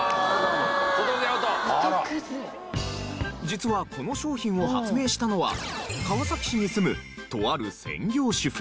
実はこの商品を発明したのは川崎市に住むとある専業主婦。